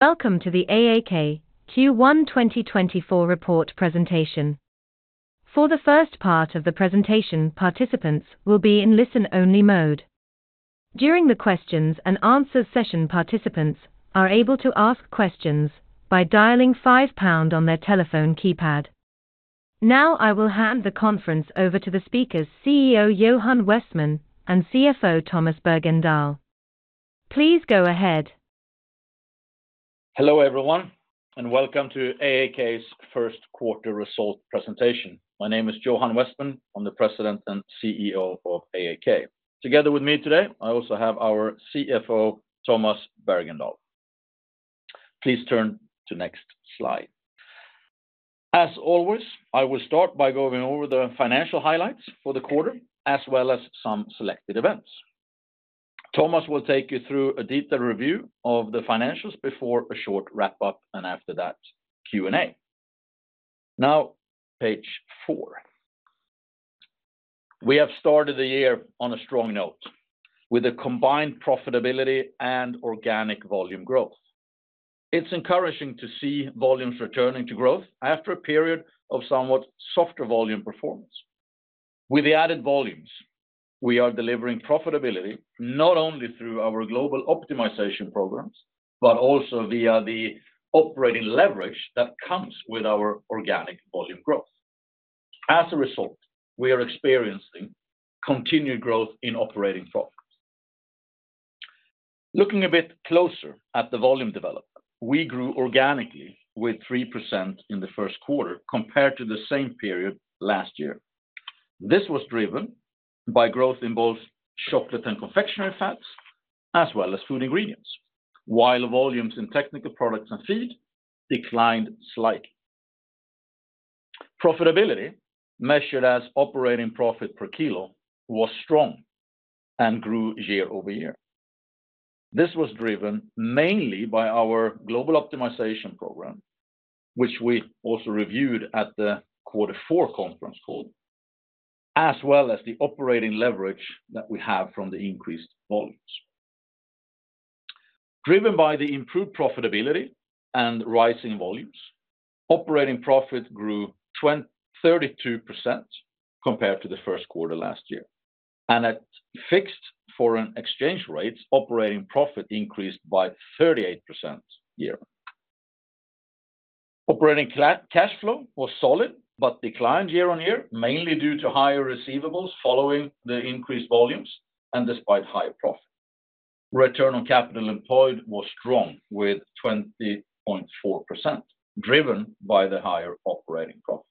Welcome to the AAK Q1 2024 report presentation. For the first part of the presentation, participants will be in listen-only mode. During the questions and answer session, participants are able to ask questions by dialing five pound on their telephone keypad. Now, I will hand the conference over to the speakers, CEO Johan Westman and CFO Tomas Bergendahl. Please go ahead. Hello, everyone, and welcome to AAK's first quarter result presentation. My name is Johan Westman. I'm the President and CEO of AAK. Together with me today, I also have our CFO, Tomas Bergendahl. Please turn to next slide. As always, I will start by going over the financial highlights for the quarter, as well as some selected events. Tomas will take you through a detailed review of the financials before a short wrap-up, and after that, Q&A. Now, page four. We have started the year on a strong note, with a combined profitability and organic volume growth. It's encouraging to see volumes returning to growth after a period of somewhat softer volume performance. With the added volumes, we are delivering profitability not only through our global optimization programs, but also via the operating leverage that comes with our organic volume growth. As a result, we are experiencing continued growth in operating profits. Looking a bit closer at the volume development, we grew organically with 3% in the first quarter compared to the same period last year. This was driven by growth in both Chocolate and Confectionery Fats, as well as Food Ingredients, while volumes in Technical Products and Feed declined slightly. Profitability, measured as operating profit per kilo, was strong and grew year-over-year. This was driven mainly by our global optimization program, which we also reviewed at the Q4 conference call, as well as the operating leverage that we have from the increased volumes. Driven by the improved profitability and rising volumes, operating profit grew 32% compared to the first quarter last year, and at fixed foreign exchange rates, operating profit increased by 38% year. Operating cash flow was solid, but declined year-over-year, mainly due to higher receivables following the increased volumes and despite higher profit. Return on Capital Employed was strong, with 20.4%, driven by the higher operating profit.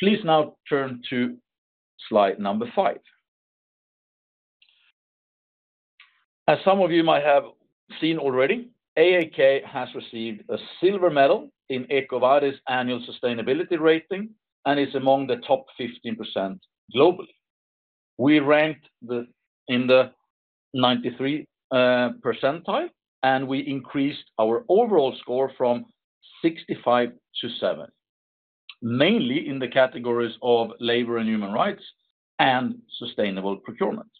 Please now turn to slide number 5. As some of you might have seen already, AAK has received a silver medal in EcoVadis Annual Sustainability Rating and is among the top 15% globally. We ranked in the 93rd percentile, and we increased our overall score from 65 to 7, mainly in the categories of Labor and Human Rights and Sustainable Procurement.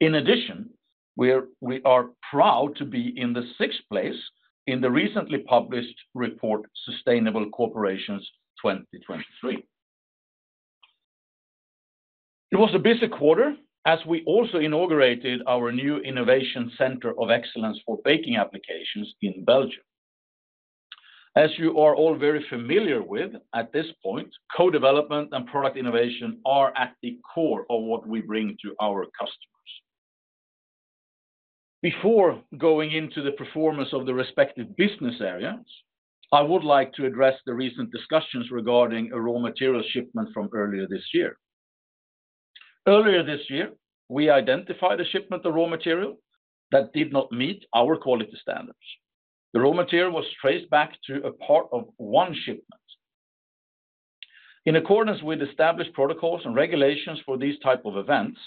In addition, we are proud to be in the sixth place in the recently published report, Sustainable Corporations 2023. It was a busy quarter as we also inaugurated our new Innovation Center of Excellence for Baking Applications in Belgium. As you are all very familiar with, at this point, co-development and product innovation are at the core of what we bring to our customers. Before going into the performance of the respective business areas, I would like to address the recent discussions regarding a raw material shipment from earlier this year. Earlier this year, we identified a shipment of raw material that did not meet our quality standards. The raw material was traced back to a part of one shipment. In accordance with established protocols and regulations for these type of events,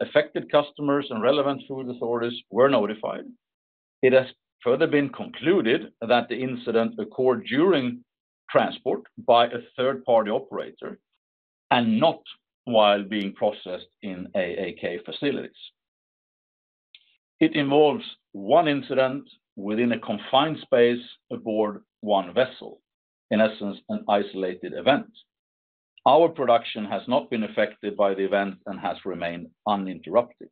affected customers and relevant food authorities were notified. It has further been concluded that the incident occurred during transport by a third-party operator and not while being processed in AAK facilities. It involves one incident within a confined space aboard one vessel, in essence, an isolated event. Our production has not been affected by the event and has remained uninterrupted.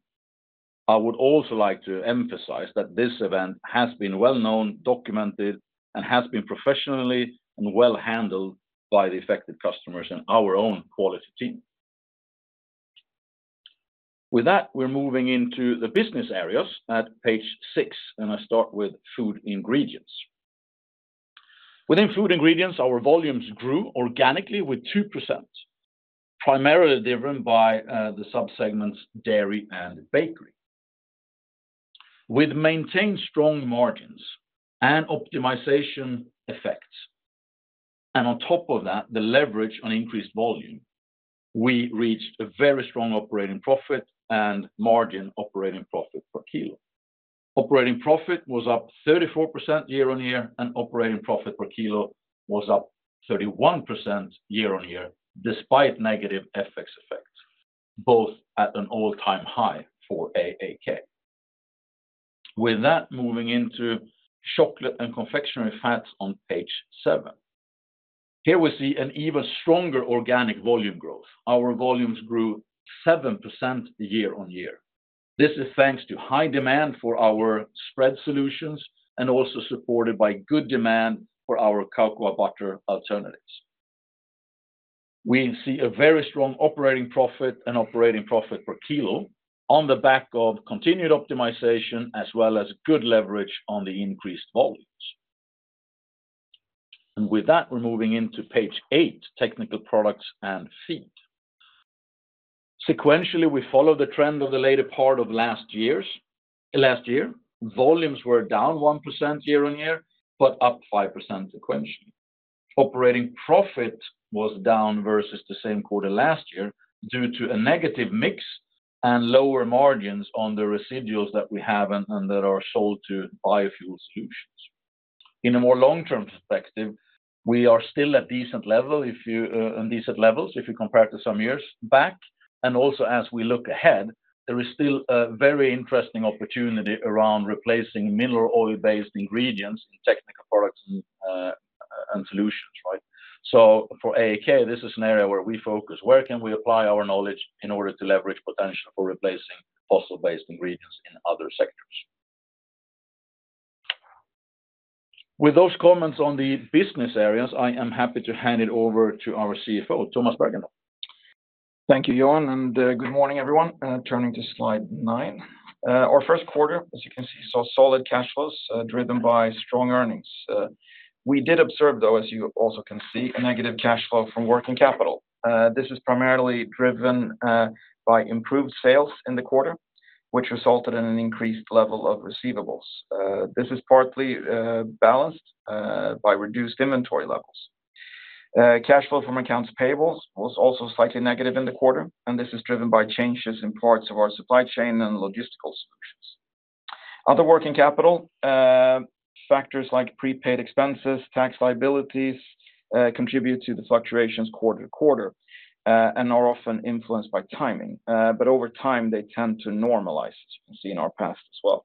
I would also like to emphasize that this event has been well-known, documented, and has been professionally and well handled by the affected customers and our own quality team. With that, we're moving into the business areas at page 6, and I start with Food Ingredients. Within Food Ingredients, our volumes grew organically with 2%, primarily driven by the subsegments Dairy and Bakery. With maintained strong margins and optimization effects, and on top of that, the leverage on increased volume, we reached a very strong operating profit and margin operating profit per kilo. Operating profit was up 34% year-on-year, and operating profit per kilo was up 31% year-on-year, despite negative FX effect... both at an all-time high for AAK. With that, moving into Chocolate and Confectionery Fats on page 7. Here we see an even stronger organic volume growth. Our volumes grew 7% year-on-year. This is thanks to high demand for our spread solutions, and also supported by good demand for our cocoa butter alternatives. We see a very strong operating profit and operating profit per kilo on the back of continued optimization, as well as good leverage on the increased volumes. And with that, we're moving into page 8, Technical Products and Feed. Sequentially, we follow the trend of the later part of last year. Volumes were down 1% year-on-year, but up 5% sequentially. Operating profit was down versus the same quarter last year, due to a negative mix and lower margins on the residuals that we have and that are sold to biofuel solutions. In a more long-term perspective, we are still at decent level if you, on decent levels, if you compare to some years back. And also as we look ahead, there is still a very interesting opportunity around replacing mineral oil-based ingredients in technical products and, and solutions, right? So for AAK, this is an area where we focus, where can we apply our knowledge in order to leverage potential for replacing fossil-based ingredients in other sectors? With those comments on the business areas, I am happy to hand it over to our CFO, Tomas Bergendahl. Thank you, Johan, and good morning, everyone. Turning to slide nine. Our first quarter, as you can see, saw solid cash flows, driven by strong earnings. We did observe, though, as you also can see, a negative cash flow from working capital. This is primarily driven by improved sales in the quarter, which resulted in an increased level of receivables. This is partly balanced by reduced inventory levels. Cash flow from accounts payables was also slightly negative in the quarter, and this is driven by changes in parts of our supply chain and logistical solutions. Other working capital factors like prepaid expenses, tax liabilities contribute to the fluctuations quarter-to-quarter, and are often influenced by timing. But over time, they tend to normalize, as you can see in our past as well.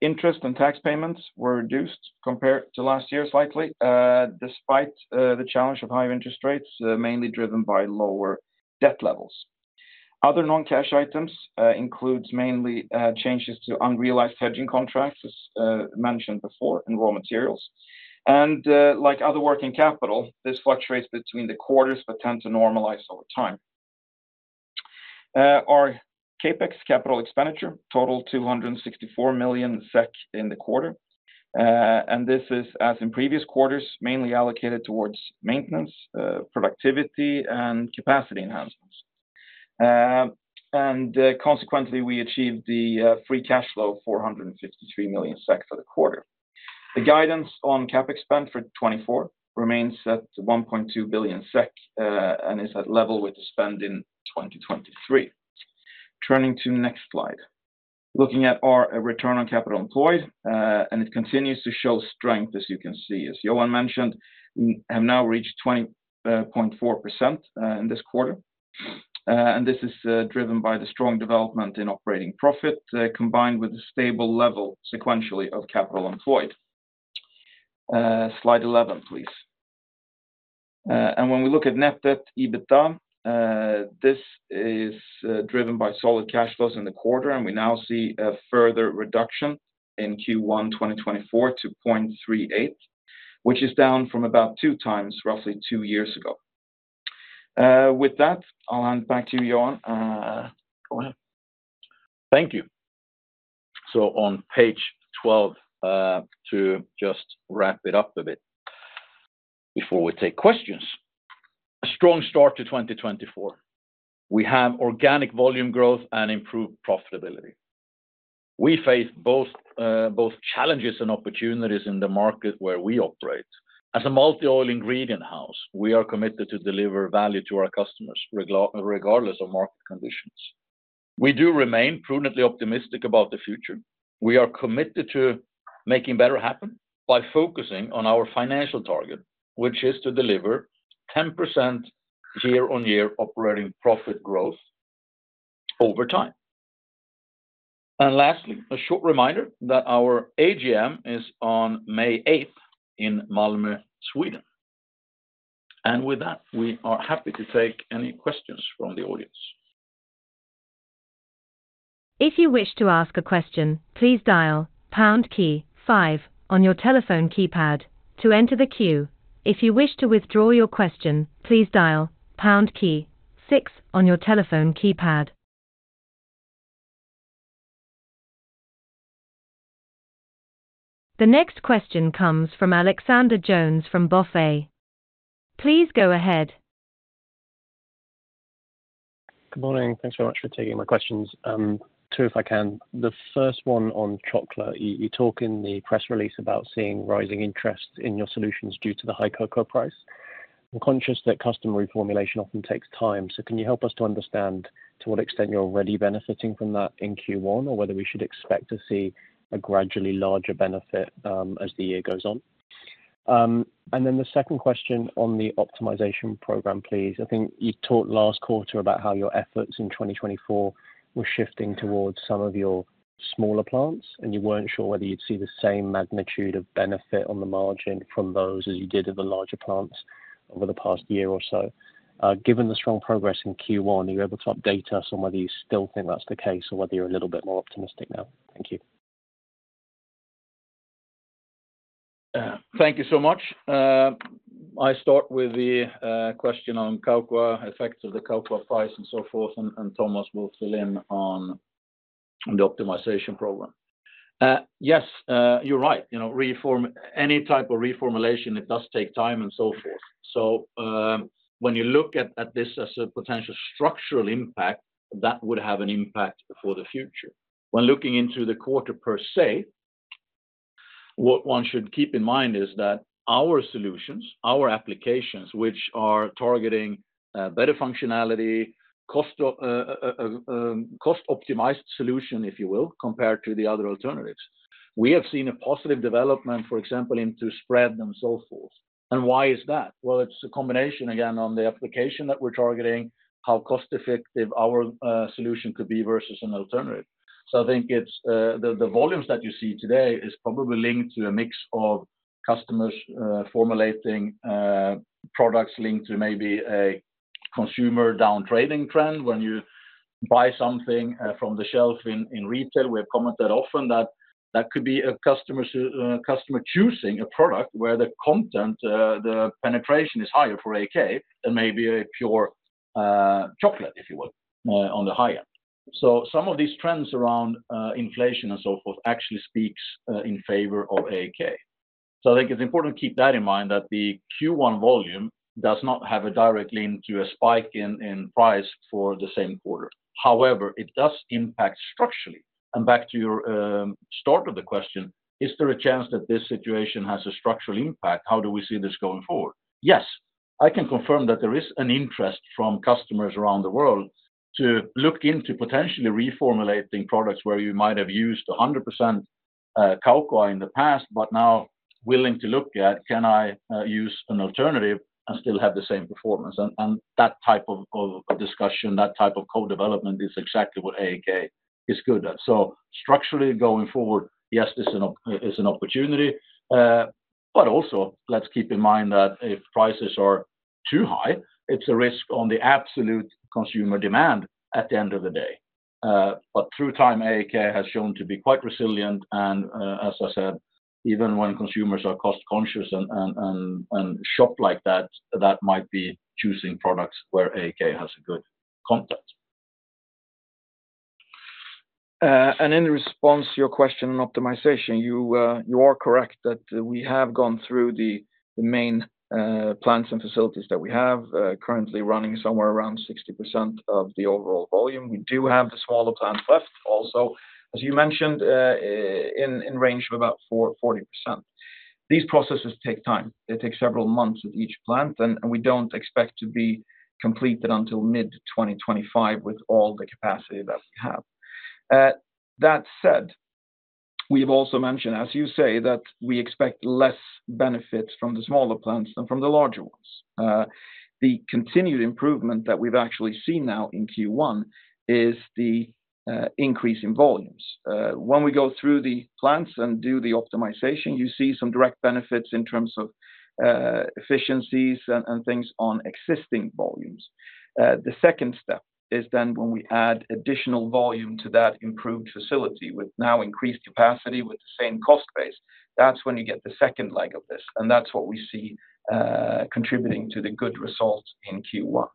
Interest and tax payments were reduced compared to last year, slightly, despite the challenge of high interest rates, mainly driven by lower debt levels. Other non-cash items includes mainly changes to unrealized hedging contracts, as mentioned before, in raw materials. And, like other working capital, this fluctuates between the quarters, but tend to normalize over time. Our CapEx capital expenditure totaled 264 million SEK in the quarter. And this is, as in previous quarters, mainly allocated towards maintenance, productivity, and capacity enhancements. And, consequently, we achieved the free cash flow of 453 million SEK for the quarter. The guidance on CapEx spend for 2024 remains at 1.2 billion SEK, and is at level with the spend in 2023. Turning to next slide. Looking at our Return on Capital Employed, and it continues to show strength, as you can see. As Johan mentioned, we have now reached 20.4% in this quarter. This is driven by the strong development in operating profit, combined with a stable level sequentially of capital employed. Slide 11, please. When we look at net debt/EBITDA, this is driven by solid cash flows in the quarter, and we now see a further reduction in Q1 2024 to 0.38, which is down from about 2 times, roughly two years ago. With that, I'll hand back to you, Johan. Go ahead. Thank you. So on page 12, to just wrap it up a bit before we take questions. A strong start to 2024. We have organic volume growth and improved profitability. We face both both challenges and opportunities in the market where we operate. As a multi-oil ingredient house, we are committed to deliver value to our customers, regardless of market conditions. We do remain prudently optimistic about the future. We are committed to making better happen by focusing on our financial target, which is to deliver 10% year-on-year operating profit growth over time. And lastly, a short reminder that our AGM is on May 8th in Malmö, Sweden. And with that, we are happy to take any questions from the audience. If you wish to ask a question, please dial pound key five on your telephone keypad to enter the queue. If you wish to withdraw your question, please dial pound key six on your telephone keypad. The next question comes from Alexander Jones from BofA. Please go ahead. Good morning. Thanks so much for taking my questions. Two, if I can. The first one on chocolate. You, you talk in the press release about seeing rising interest in your solutions due to the high cocoa price. I'm conscious that customer reformulation often takes time, so can you help us to understand to what extent you're already benefiting from that in Q1, or whether we should expect to see a gradually larger benefit, as the year goes on?... and then the second question on the optimization program, please. I think you talked last quarter about how your efforts in 2024 were shifting towards some of your smaller plants, and you weren't sure whether you'd see the same magnitude of benefit on the margin from those as you did of the larger plants over the past year or so. Given the strong progress in Q1, are you able to update us on whether you still think that's the case or whether you're a little bit more optimistic now? Thank you. Thank you so much. I start with the question on cocoa, effects of the cocoa price and so forth, and Tomas will fill in on the optimization program. Yes, you're right. You know, reformulation, it does take time and so forth. So, when you look at this as a potential structural impact, that would have an impact for the future. When looking into the quarter per se, what one should keep in mind is that our solutions, our applications, which are targeting better functionality, cost-optimized solution, if you will, compared to the other alternatives. We have seen a positive development, for example, into spread and so forth. And why is that? Well, it's a combination, again, on the application that we're targeting, how cost-effective our solution could be versus an alternative. So I think it's the volumes that you see today is probably linked to a mix of customers formulating products linked to maybe a consumer down-trading trend. When you buy something from the shelf in retail, we have commented often that that could be a customer choosing a product where the content the penetration is higher for AAK than maybe a pure chocolate, if you will, on the high end. So some of these trends around inflation and so forth actually speaks in favor of AAK. So I think it's important to keep that in mind, that the Q1 volume does not have a direct link to a spike in price for the same quarter. However, it does impact structurally. And back to your start of the question: Is there a chance that this situation has a structural impact? How do we see this going forward? Yes, I can confirm that there is an interest from customers around the world to look into potentially reformulating products where you might have used 100% cocoa in the past, but now willing to look at: Can I use an alternative and still have the same performance? And that type of a discussion, that type of co-development, is exactly what AAK is good at. So structurally going forward, yes, this is an opportunity. But also, let's keep in mind that if prices are too high, it's a risk on the absolute consumer demand at the end of the day. But through time, AAK has shown to be quite resilient, and, as I said, even when consumers are cost conscious and shop like that, that might be choosing products where AAK has a good content. And in response to your question on optimization, you, you are correct that we have gone through the main plants and facilities that we have currently running somewhere around 60% of the overall volume. We do have the smaller plants left also, as you mentioned, in range of about 40%. These processes take time. They take several months at each plant, and we don't expect to be completed until mid-2025 with all the capacity that we have. That said, we've also mentioned, as you say, that we expect less benefits from the smaller plants than from the larger ones. The continued improvement that we've actually seen now in Q1 is the increase in volumes. When we go through the plants and do the optimization, you see some direct benefits in terms of efficiencies and, and things on existing volumes. The second step is then when we add additional volume to that improved facility with now increased capacity, with the same cost base, that's when you get the second leg of this, and that's what we see contributing to the good results in Q1.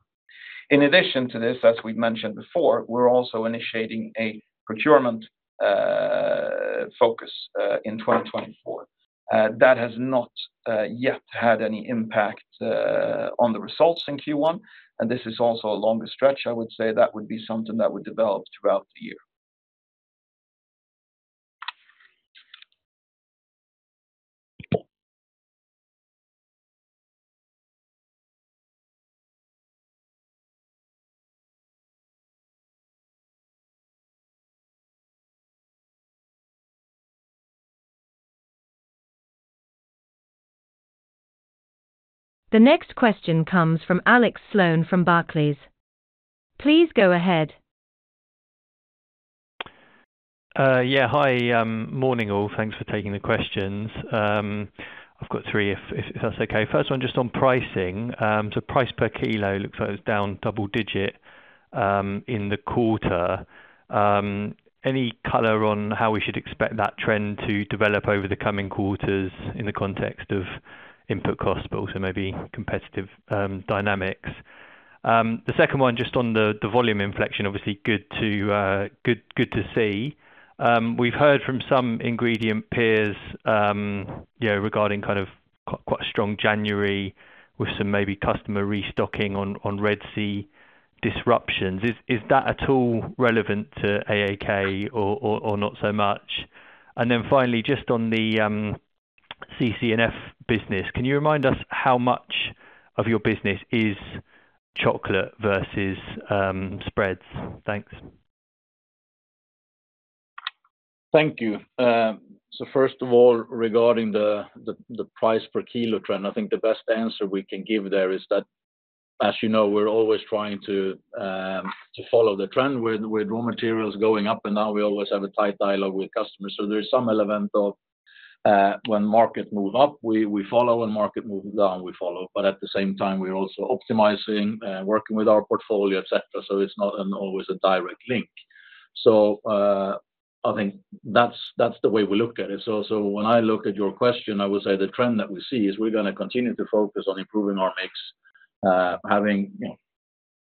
In addition to this, as we've mentioned before, we're also initiating a procurement focus in 2024. That has not yet had any impact on the results in Q1, and this is also a longer stretch. I would say that would be something that would develop throughout the year. The next question comes from Alex Sloane from Barclays. Please go ahead. Yeah. Hi, morning, all. Thanks for taking the questions. I've got three, if that's okay. First one, just on pricing. So price per kilo looks like it was down double-digit in the quarter. Any color on how we should expect that trend to develop over the coming quarters in the context of input costs, but also maybe competitive dynamics? The second one, just on the volume inflection, obviously good to see. We've heard from some ingredient peers, you know, regarding kind of quite a strong January with some maybe customer restocking on Red Sea disruptions. Is that at all relevant to AAK or not so much? And then finally, just on the CC&F business, can you remind us how much of your business is chocolate versus spreads? Thanks.... Thank you. So first of all, regarding the price per kilo trend, I think the best answer we can give there is that, as you know, we're always trying to follow the trend with raw materials going up, and now we always have a tight dialogue with customers. So there is some element of, when market move up, we follow, when market move down, we follow. But at the same time, we're also optimizing, working with our portfolio, et cetera, so it's not always a direct link. So, I think that's the way we look at it. So when I look at your question, I would say the trend that we see is we're gonna continue to focus on improving our mix, having, you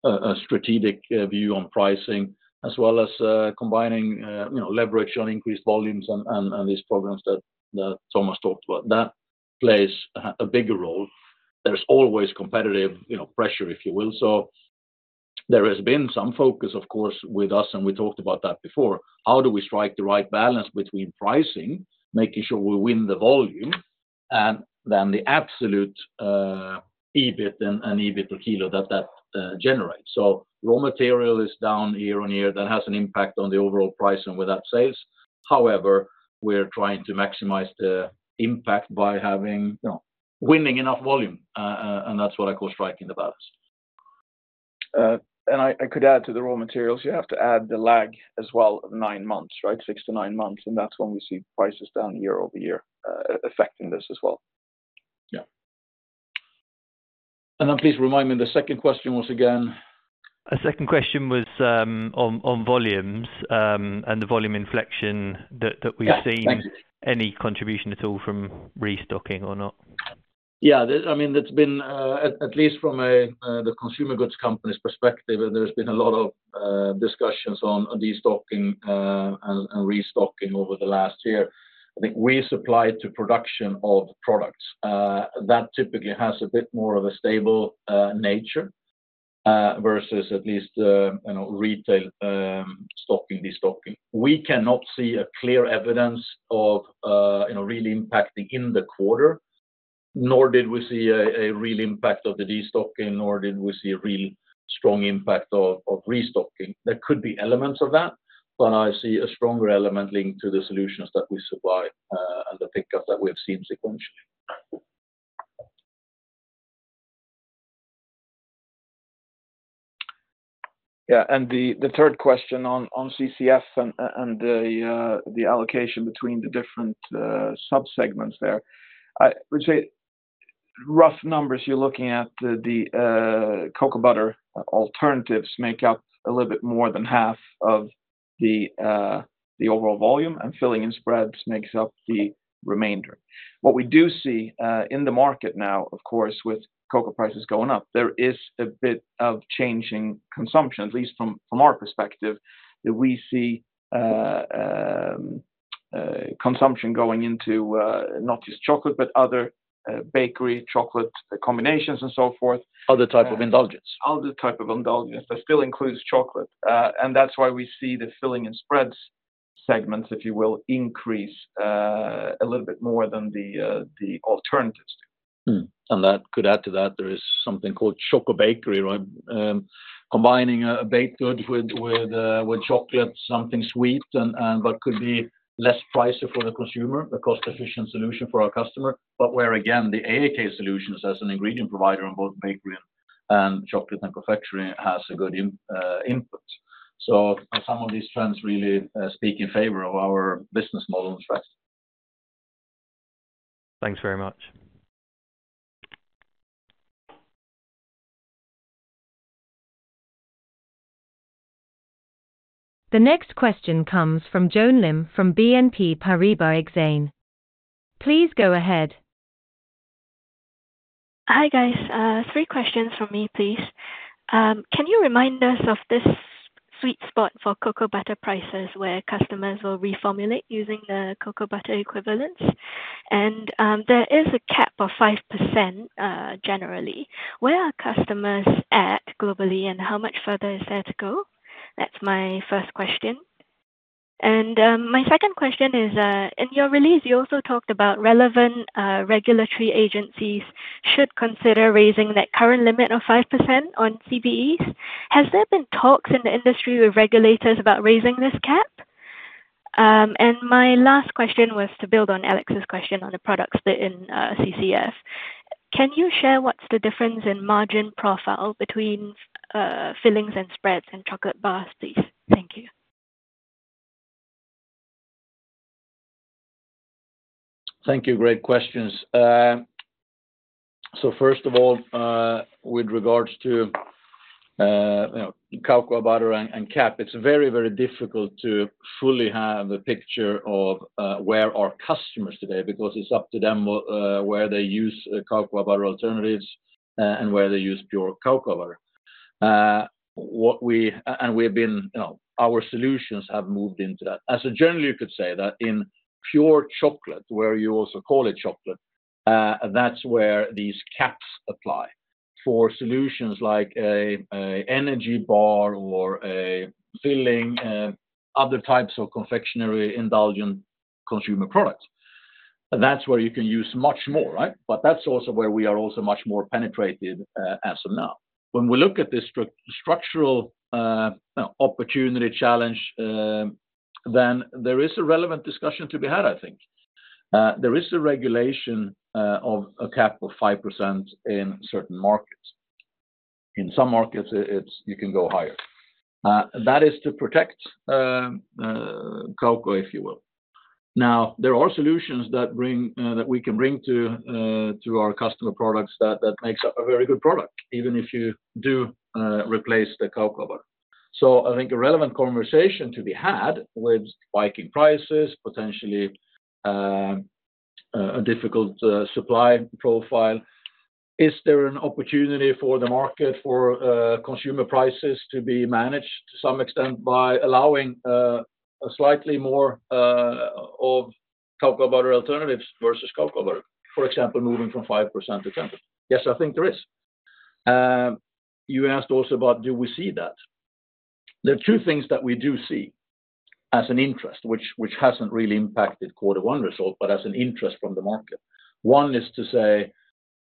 know, a strategic view on pricing, as well as combining, you know, leverage on increased volumes and these programs that Tomas talked about. That plays a bigger role. There's always competitive, you know, pressure, if you will. So there has been some focus, of course, with us, and we talked about that before. How do we strike the right balance between pricing, making sure we win the volume, and then the absolute EBIT and EBIT per kilo that that generates? So raw material is down year-over-year. That has an impact on the overall price and with that sales. However, we're trying to maximize the impact by having, you know, winning enough volume, and that's what I call striking the balance. And I could add to the raw materials, you have to add the lag as well, of 9 months, right? 6-9 months, and that's when we see prices down year-over-year, affecting this as well. Yeah. And then please remind me, the second question once again. The second question was on volumes and the volume inflection that we've seen. Yeah, thanks. Any contribution at all from restocking or not? Yeah, I mean, it's been at least from the consumer goods company's perspective, there's been a lot of discussions on destocking and restocking over the last year. I think we supplied to production of products that typically has a bit more of a stable nature versus at least you know retail stocking destocking. We cannot see a clear evidence of you know really impacting in the quarter, nor did we see a real impact of the destocking, nor did we see a real strong impact of restocking. There could be elements of that, but I see a stronger element linked to the solutions that we supply and the pickup that we have seen sequentially. Yeah, and the third question on CCF and the allocation between the different subsegments there. I would say rough numbers, you're looking at the cocoa butter alternatives make up a little bit more than half of the overall volume, and Fillings and Spreads makes up the remainder. What we do see in the market now, of course, with cocoa prices going up, there is a bit of changing consumption, at least from our perspective, that we see consumption going into not just chocolate, but other bakery chocolate combinations and so forth. Other type of indulgence. Other type of indulgence, that still includes chocolate. And that's why we see the Fillings and Spreads segments, if you will, increase a little bit more than the alternatives. And that could add to that, there is something called Choco-Bakery, right? Combining a baked good with chocolate, something sweet and but could be less pricey for the consumer, a cost-efficient solution for our customer. But where, again, the AAK solutions as an ingredient provider on both bakery and chocolate and confectionery has a good impact. So some of these trends really speak in favor of our business model and threats. Thanks very much. The next question comes from Joan Lim from BNP Paribas Exane. Please go ahead. Hi, guys. Three questions from me, please. Can you remind us of this sweet spot for cocoa butter prices, where customers will reformulate using the cocoa butter equivalents? And, there is a cap of 5%, generally. Where are customers at globally, and how much further is there to go? That's my first question. And, my second question is, in your release, you also talked about relevant regulatory agencies should consider raising that current limit of 5% on CBEs. Has there been talks in the industry with regulators about raising this cap? And my last question was to build on Alex's question on the products that in, CCF. Can you share what's the difference in margin profile between, fillings and spreads and chocolate bars, please? Thank you. Thank you. Great questions. So first of all, with regards to, you know, cocoa butter and, and cap, it's very, very difficult to fully have a picture of, where are customers today, because it's up to them, where they use cocoa butter alternatives, and where they use pure cocoa butter. And we have been, you know, our solutions have moved into that. As a generally, you could say that in pure chocolate, where you also call it chocolate, that's where these caps apply. For solutions like a, a energy bar or a filling, other types of confectionery, indulgent consumer products.... And that's where you can use much more, right? But that's also where we are also much more penetrated, as of now. When we look at this structural opportunity challenge, then there is a relevant discussion to be had, I think. There is a regulation of a cap of 5% in certain markets. In some markets, it's you can go higher. That is to protect cocoa, if you will. Now, there are solutions that we can bring to our customer products that makes up a very good product, even if you do replace the cocoa butter. So I think a relevant conversation to be had with spiking prices, potentially, a difficult supply profile, is there an opportunity for the market, for consumer prices to be managed to some extent by allowing a slightly more of cocoa butter alternatives versus cocoa butter? For example, moving from 5% to 10%. Yes, I think there is. You asked also about do we see that? There are two things that we do see as an interest, which hasn't really impacted Quarter One result, but as an interest from the market. One is to say,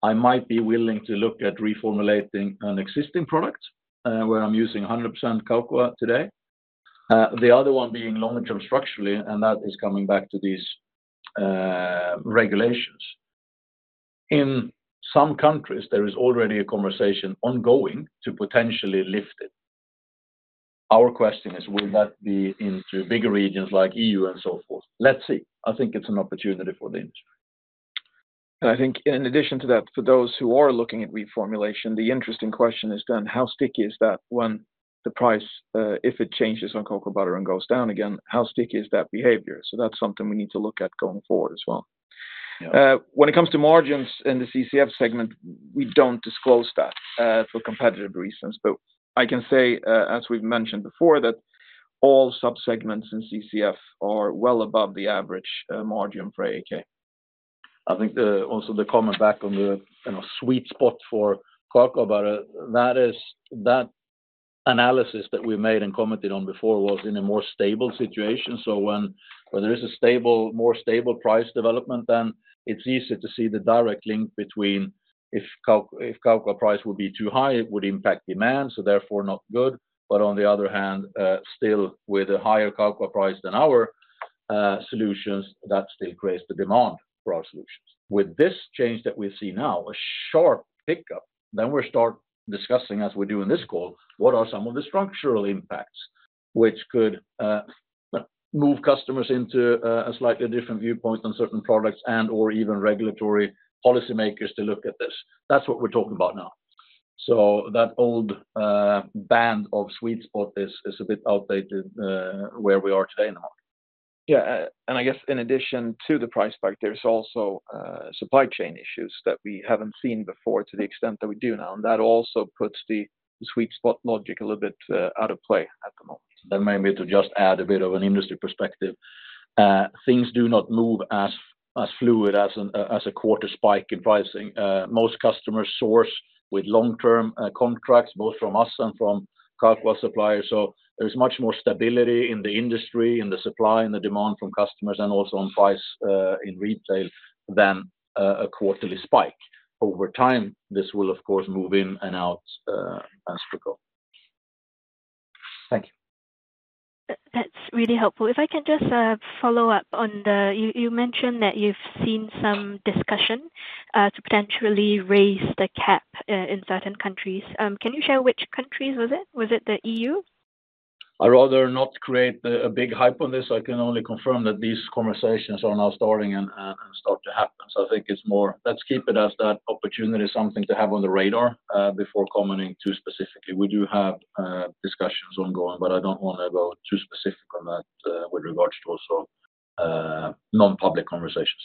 I might be willing to look at reformulating an existing product, where I'm using 100% cocoa today. The other one being long-term structurally, and that is coming back to these regulations. In some countries, there is already a conversation ongoing to potentially lift it. Our question is, will that be into bigger regions like EU and so forth? Let's see. I think it's an opportunity for the industry. I think in addition to that, for those who are looking at reformulation, the interesting question is then, how sticky is that when the price, if it changes on cocoa butter and goes down again, how sticky is that behavior? That's something we need to look at going forward as well. Yeah. When it comes to margins in the CCF segment, we don't disclose that, for competitive reasons, but I can say, as we've mentioned before, that all subsegments in CCF are well above the average margin for AAK. I think also, the comment back on the, you know, sweet spot for cocoa butter, that is, that analysis that we made and commented on before was in a more stable situation. So when there is a stable, more stable price development, then it's easier to see the direct link between if cocoa price would be too high, it would impact demand, so therefore not good. But on the other hand, still with a higher cocoa price than our solutions, that still creates the demand for our solutions. With this change that we see now, a sharp pickup, then we start discussing, as we do in this call, what are some of the structural impacts which could move customers into a slightly different viewpoint on certain products and/or even regulatory policymakers to look at this. That's what we're talking about now. That old band of sweet spot is a bit outdated, where we are today in the market. Yeah, and I guess in addition to the price spike, there's also supply chain issues that we haven't seen before to the extent that we do now, and that also puts the sweet spot logic a little bit out of play at the moment. Then maybe to just add a bit of an industry perspective, things do not move as fluid as a quarter spike in pricing. Most customers source with long-term contracts, both from us and from cocoa suppliers. So there's much more stability in the industry, in the supply and the demand from customers, and also on price in retail than a quarterly spike. Over time, this will, of course, move in and out as we go. Thank you. That's really helpful. If I can just follow up on the... you mentioned that you've seen some discussion to potentially raise the cap in certain countries. Can you share which countries was it? Was it the EU? I'd rather not create a big hype on this. I can only confirm that these conversations are now starting and start to happen. So I think it's more let's keep it as that opportunity, something to have on the radar before commenting too specifically. We do have discussions ongoing, but I don't want to go too specific on that with regards to also non-public conversations.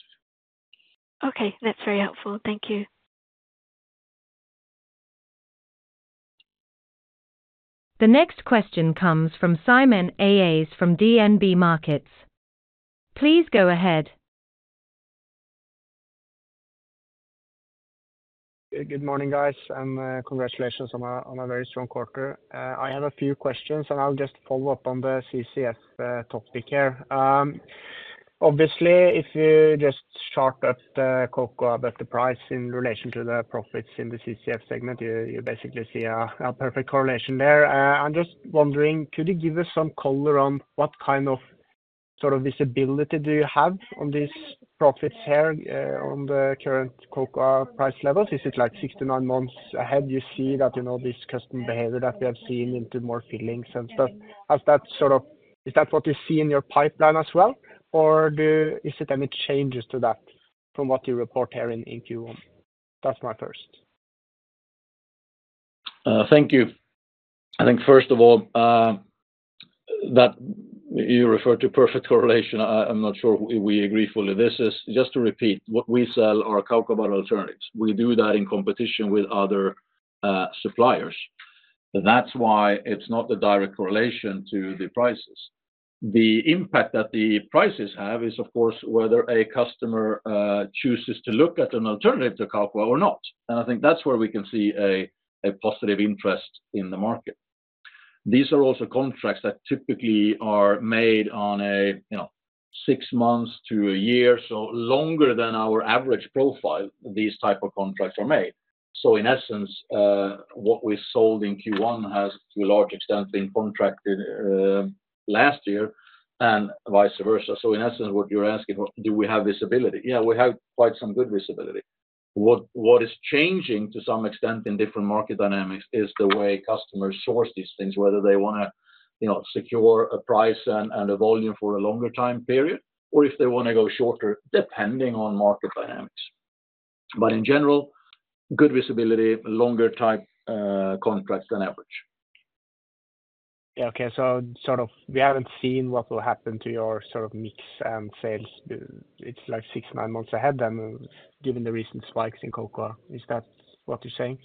Okay. That's very helpful. Thank you. The next question comes from Simen Aase from DNB Markets. Please go ahead. Good morning, guys, and congratulations on a very strong quarter. I have a few questions, and I'll just follow up on the CCF topic here. Obviously, if you just chart that cocoa the price in relation to the profits in the CCF segment, you basically see a perfect correlation there. I'm just wondering, could you give us some color on what kind of sort of visibility do you have on this profits here on the current cocoa price levels? Is it like 69 months ahead, you see that, you know, this customer behavior that we have seen in more fillings and stuff? Has that sort of? Is that what you see in your pipeline as well, or is there any changes to that from what you report here in Q1? That's my first. Thank you. I think first of all, that you refer to perfect correlation, I'm not sure we agree fully. This is just to repeat, what we sell are cocoa butter alternatives. We do that in competition with other suppliers. So that's why it's not a direct correlation to the prices. The impact that the prices have is, of course, whether a customer chooses to look at an alternative to cocoa or not, and I think that's where we can see a positive interest in the market... These are also contracts that typically are made on a, you know, six months to a year, so longer than our average profile, these type of contracts are made. So in essence, what we sold in Q1 has, to a large extent, been contracted last year, and vice versa. So in essence, what you're asking, do we have visibility? Yeah, we have quite some good visibility. What is changing to some extent in different market dynamics is the way customers source these things, whether they wanna, you know, secure a price and a volume for a longer time period, or if they wanna go shorter, depending on market dynamics. But in general, good visibility, longer type contracts than average. Yeah, okay. So sort of we haven't seen what will happen to your sort of mix and sales. It's like 6-9 months ahead, then, given the recent spikes in cocoa, is that what you're saying?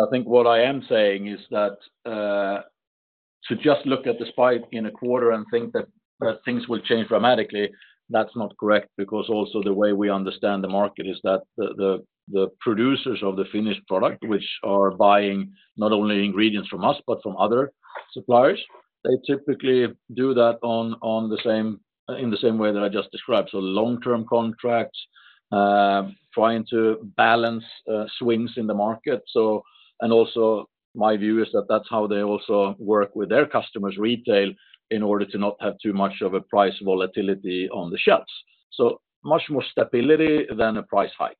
I think what I am saying is that, to just look at the spike in a quarter and think that, things will change dramatically, that's not correct, because also the way we understand the market is that the producers of the finished product, which are buying not only ingredients from us, but from other suppliers, they typically do that on the same, in the same way that I just described. So long-term contracts, trying to balance, swings in the market. So, and also my view is that that's how they also work with their customers, retail, in order to not have too much of a price volatility on the shelves. So much more stability than a price hike.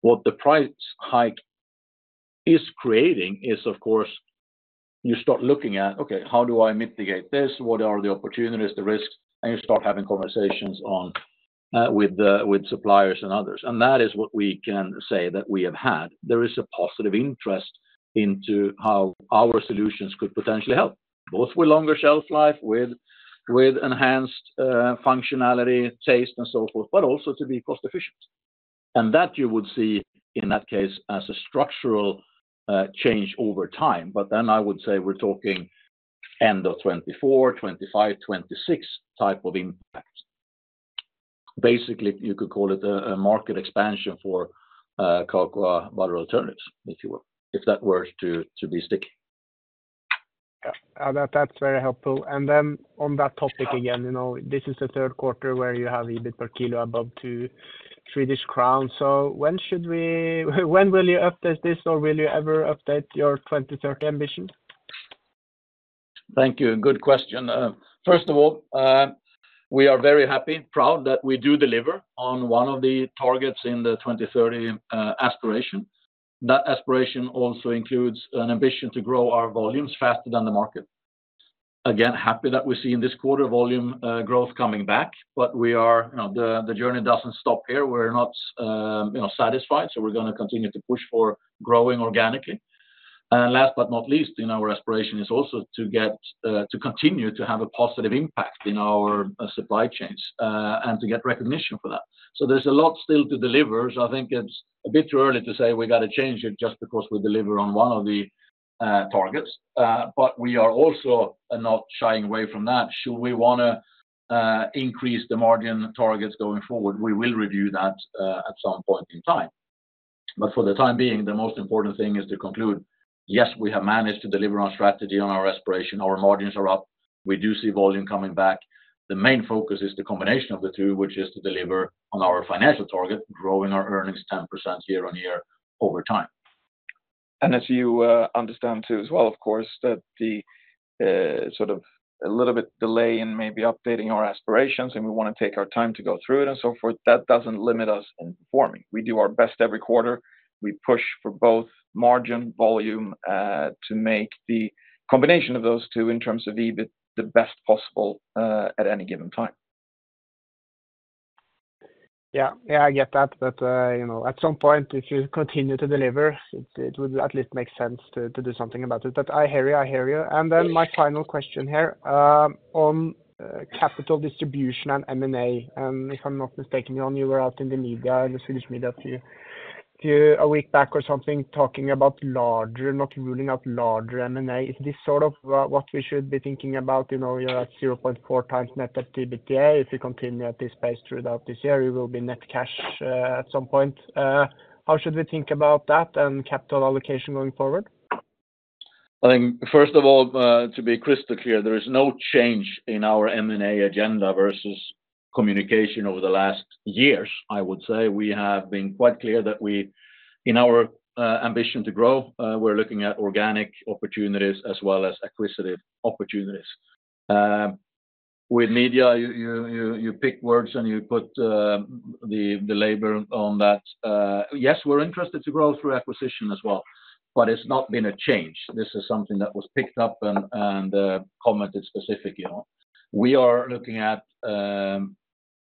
What the price hike is creating is, of course, you start looking at, okay, how do I mitigate this? What are the opportunities, the risks? And you start having conversations on with the with suppliers and others. And that is what we can say that we have had. There is a positive interest into how our solutions could potentially help, both with longer shelf life, with with enhanced functionality, taste, and so forth, but also to be cost efficient. And that you would see, in that case, as a structural change over time. But then I would say we're talking end of 2024, 2025, 2026 type of impact. Basically, you could call it a a market expansion for cocoa butter alternatives, if you will, if that were to to be sticky. Yeah, that's very helpful. Then on that topic again, you know, this is the third quarter where you have EBIT per kilo above 2 Swedish crown. So when will you update this, or will you ever update your 2030 ambition? Thank you. Good question. First of all, we are very happy, proud that we do deliver on one of the targets in the 2030 aspiration. That aspiration also includes an ambition to grow our volumes faster than the market. Again, happy that we see in this quarter volume growth coming back, but we are... You know, the journey doesn't stop here. We're not, you know, satisfied, so we're gonna continue to push for growing organically. And last but not least, in our aspiration is also to get to continue to have a positive impact in our supply chains and to get recognition for that. So there's a lot still to deliver, so I think it's a bit too early to say we gotta change it just because we deliver on one of the targets. But we are also not shying away from that. Should we wanna increase the margin targets going forward, we will review that at some point in time. But for the time being, the most important thing is to conclude, yes, we have managed to deliver on strategy, on our aspiration. Our margins are up. We do see volume coming back. The main focus is the combination of the two, which is to deliver on our financial target, growing our earnings 10% year-on-year over time. And as you understand, too, as well, of course, that the sort of a little bit delay in maybe updating our aspirations, and we wanna take our time to go through it and so forth, that doesn't limit us in performing. We do our best every quarter. We push for both margin, volume, to make the combination of those two in terms of EBIT the best possible, at any given time. Yeah. Yeah, I get that, but you know, at some point, if you continue to deliver, it would at least make sense to do something about it. But I hear you. I hear you. And then my final question here on capital distribution and M&A, and if I'm not mistaken, you were out in the media, in the Swedish media, a few weeks back or something, talking about larger, not ruling out larger M&A. Is this sort of what we should be thinking about? You know, you're at 0.4 times net debt, if you continue at this pace throughout this year, you will be net cash at some point. How should we think about that and capital allocation going forward? I think, first of all, to be crystal clear, there is no change in our M&A agenda versus communication over the last years, I would say. We have been quite clear that we, in our, ambition to grow, we're looking at organic opportunities as well as acquisitive opportunities. With media, you pick words, and you put the labor on that. Yes, we're interested to grow through acquisition as well, but it's not been a change. This is something that was picked up and commented specifically on. We are looking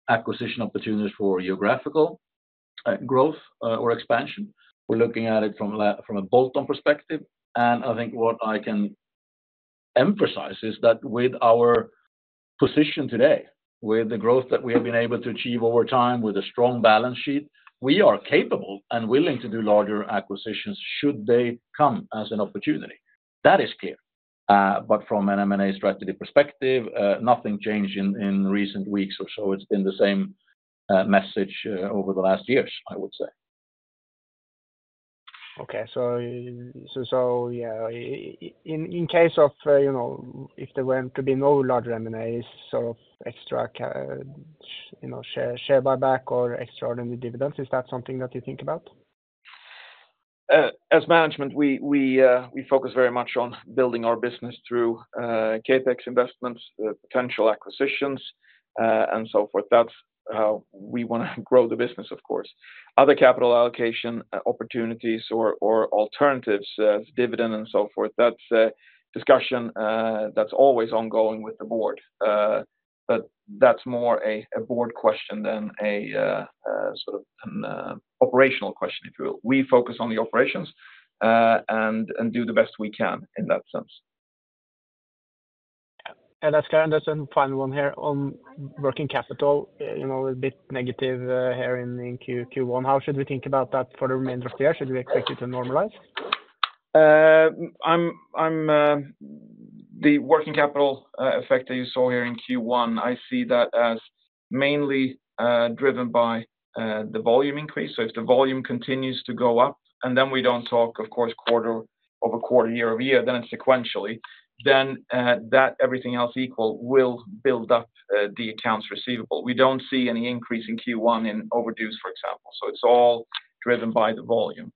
at acquisition opportunities for geographical growth or expansion. We're looking at it from a bolt-on perspective, and I think what I can emphasize is that with our position today, with the growth that we have been able to achieve over time, with a strong balance sheet, we are capable and willing to do larger acquisitions should they come as an opportunity. That is clear. But from an M&A strategy perspective, nothing changed in recent weeks or so. It's been the same message over the last years, I would say.... Okay, so, yeah, in case of, you know, if there were to be no large M&As, sort of extra cash, you know, share buyback or extraordinary dividends, is that something that you think about? As management, we focus very much on building our business through CapEx investments, potential acquisitions, and so forth. That's how we wanna grow the business, of course. Other capital allocation opportunities or alternatives, dividend and so forth, that's a discussion that's always ongoing with the board. But that's more a board question than a sort of an operational question, if you will. We focus on the operations, and do the best we can in that sense. Yeah. And that's clear, and just a final one here on working capital, you know, a bit negative here in Q1. How should we think about that for the remainder of the year? Should we expect it to normalize? The working capital effect that you saw here in Q1, I see that as mainly driven by the volume increase. So if the volume continues to go up, and then we don't talk, of course, quarter-over-quarter, year-over-year, then sequentially, then, that, everything else equal, will build up the accounts receivable. We don't see any increase in Q1 in overdues, for example. So it's all driven by the volume.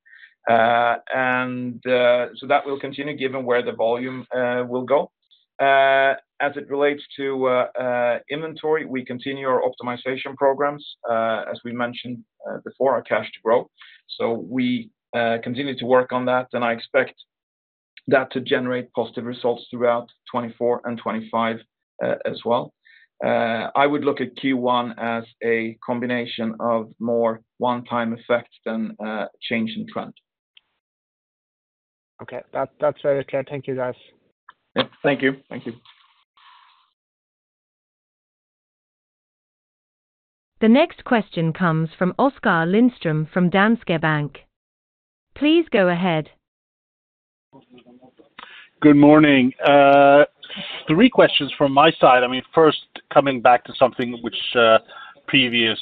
And so that will continue given where the volume will go. As it relates to inventory, we continue our optimization programs, as we mentioned before, our Cash-to-Grow. So we continue to work on that, and I expect that to generate positive results throughout 2024 and 2025, as well. I would look at Q1 as a combination of more one-time effects than change in trend. Okay. That, that's very clear. Thank you, guys. Yep. Thank you. Thank you. The next question comes from Oskar Lindström from Danske Bank. Please go ahead. Good morning. Three questions from my side. I mean, first, coming back to something which previous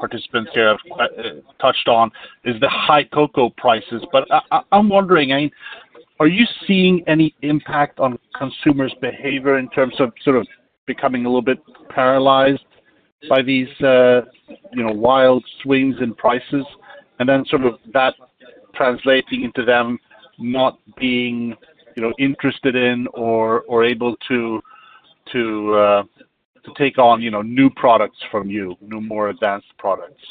participants here have touched on, is the high cocoa prices. But I, I'm wondering, I mean, are you seeing any impact on consumers' behavior in terms of sort of becoming a little bit paralyzed by these, you know, wild swings in prices, and then sort of that translating into them not being, you know, interested in or able to take on, you know, new products from you, new, more advanced products?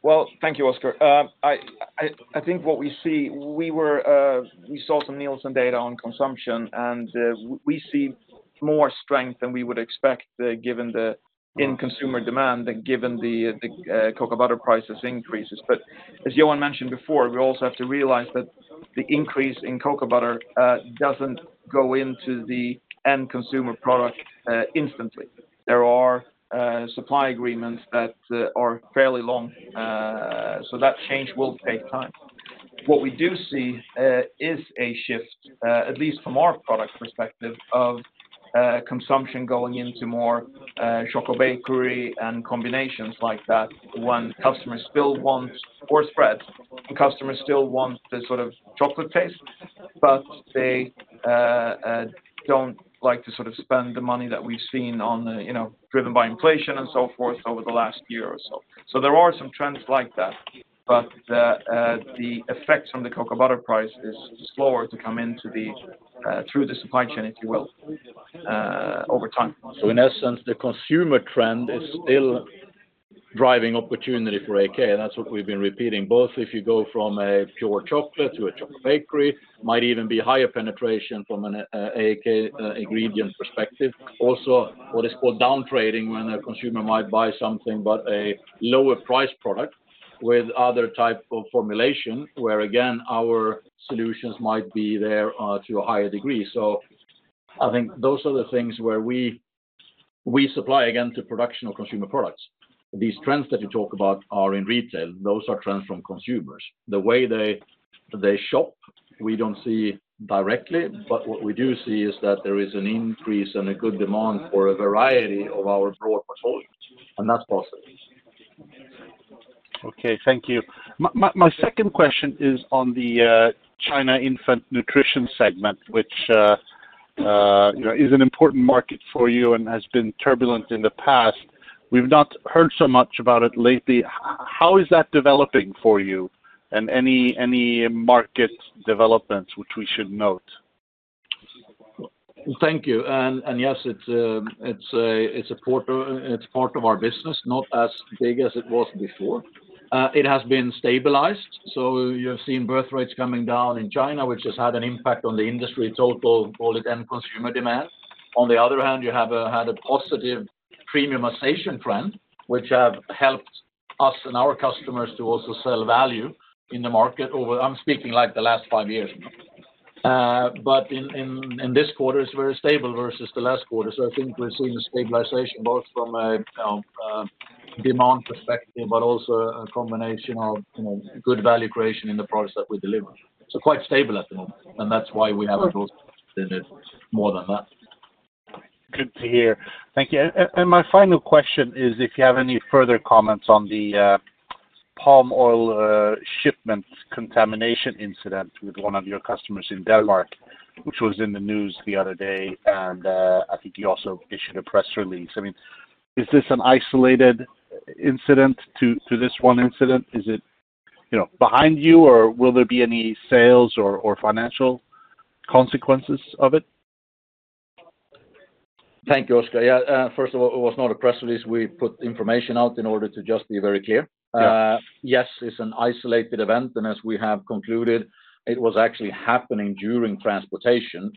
Well, thank you, Oskar. I think what we see. We saw some Nielsen data on consumption, and we see more strength than we would expect, given the in consumer demand, given the cocoa butter prices increases. But as Johan mentioned before, we also have to realize that the increase in cocoa butter doesn't go into the end consumer product instantly. There are supply agreements that are fairly long, so that change will take time. What we do see is a shift, at least from our product perspective, of consumption going into more chocolate, bakery and combinations like that, when customers still want - or spreads. The customers still want the sort of chocolate taste, but they don't like to sort of spend the money that we've seen on the, you know, driven by inflation and so forth over the last year or so. So there are some trends like that, but the effects from the cocoa butter price is slower to come through the supply chain, if you will, over time. So in essence, the consumer trend is still driving opportunity for AAK, and that's what we've been repeating, both if you go from a pure chocolate to a chocolate and bakery, might even be higher penetration from an AAK ingredient perspective. Also, what is called down trading, when a consumer might buy something but a lower price product with other type of formulation, where again, our solutions might be there to a higher degree. So I think those are the things where we, we supply again to production of consumer products. These trends that you talk about are in retail. Those are trends from consumers. The way they, they shop, we don't see directly, but what we do see is that there is an increase and a good demand for a variety of our broad portfolios, and that's positive. Okay, thank you. My second question is on the China infant nutrition segment, which you know is an important market for you and has been turbulent in the past. We've not heard so much about it lately. How is that developing for you? And any market developments which we should note? Thank you. Yes, it's a part of our business, not as big as it was before. It has been stabilized, so you have seen birth rates coming down in China, which has had an impact on the industry total, call it end consumer demand. On the other hand, you have had a positive premiumization trend, which have helped us and our customers to also sell value in the market over, I'm speaking like the last five years. But in this quarter, it's very stable versus the last quarter. So I think we've seen a stabilization both from a demand perspective, but also a combination of, you know, good value creation in the products that we deliver. So quite stable at the moment, and that's why we have a growth more than that. ... Good to hear. Thank you. And my final question is if you have any further comments on the palm oil shipment contamination incident with one of your customers in Denmark, which was in the news the other day, and I think you also issued a press release. I mean, is this an isolated incident to this one incident? Is it, you know, behind you, or will there be any sales or financial consequences of it? Thank you, Oskar. Yeah, first of all, it was not a press release. We put information out in order to just be very clear. Yeah. Yes, it's an isolated event, and as we have concluded, it was actually happening during transportation.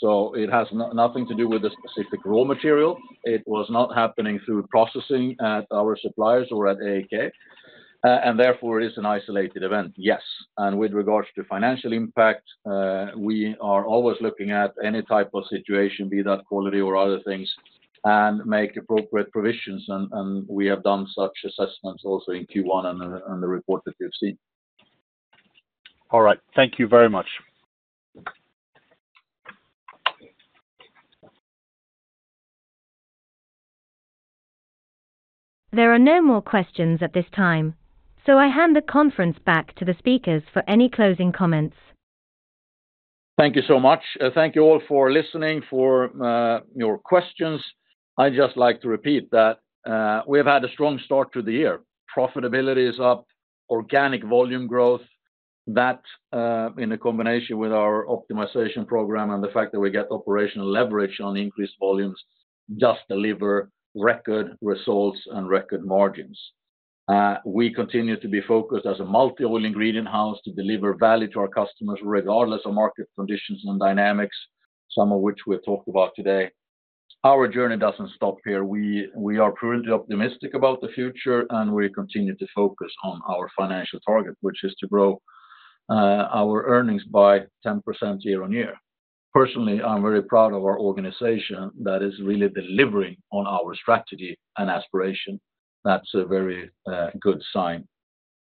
So it has nothing to do with the specific raw material. It was not happening through processing at our suppliers or at AAK, and therefore is an isolated event, yes. And with regards to financial impact, we are always looking at any type of situation, be that quality or other things, and make appropriate provisions, and we have done such assessments also in Q1 and the report that you've seen. All right. Thank you very much. There are no more questions at this time, so I hand the conference back to the speakers for any closing comments. Thank you so much. Thank you all for listening, for your questions. I'd just like to repeat that, we have had a strong start to the year. Profitability is up, organic volume growth. That, in a combination with our optimization program and the fact that we get operational leverage on increased volumes, just deliver record results and record margins. We continue to be focused as a multi-oil ingredient house to deliver value to our customers regardless of market conditions and dynamics, some of which we have talked about today. Our journey doesn't stop here. We are currently optimistic about the future, and we continue to focus on our financial target, which is to grow our earnings by 10% year-on-year. Personally, I'm very proud of our organization that is really delivering on our strategy and aspiration. That's a very good sign.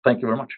Thank you very much.